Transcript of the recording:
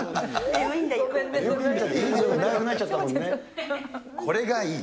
眠くなっちゃったもんね。